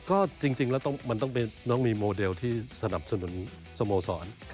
ก็จริงแล้วมันต้องมีโมเดลที่สนับสนุนสโมสร